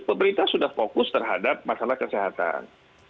pemerintah sudah fokus terhadap masalah kesehatan